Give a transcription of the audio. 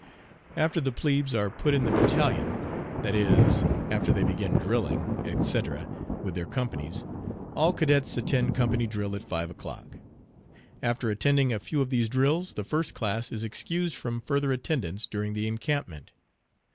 After the plebes are put in the battalion that is, after they begin drilling, etc., with their companies all cadets attend company drill at five o'clock. After attending a few of these drills the first class is excused from further attendance during the encampment.